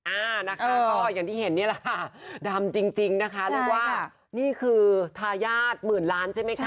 อ่านะคะก็อย่างที่เห็นนี่แหละค่ะดำจริงนะคะเรียกว่านี่คือทายาทหมื่นล้านใช่ไหมคะ